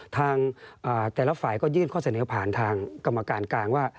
ทางแต่ละฝ่ายก็ยื่นข้อเสนอผ่านทางกรรมการกลางว่า